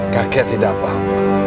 kakak tidak apa apa